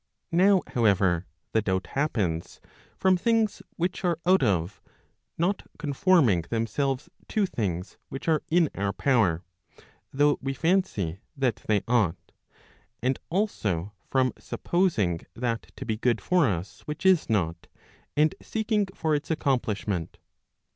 Now, however, the doubt Digitized by boogie 480 ON PROVIDENCE happens, from things which are out of, not conforming themselves to things which are in our power, though we fancy that they ought, and also from supposing that to be good for us which is not, and seeking for its accomplishment.